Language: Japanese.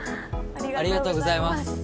ありがとうございます。